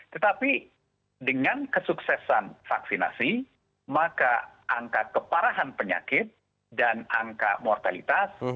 tetapi dengan kesuksesan vaksinasi maka angka keparahan penyakit dan angka mortalitas